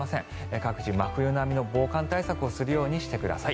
各地、真冬並みの防寒対策をするようにしてください。